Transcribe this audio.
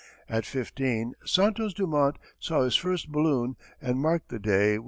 At fifteen Santos Dumont saw his first balloon and marked the day with red.